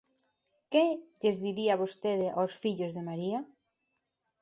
¿Que lles diría vostede aos fillos de María?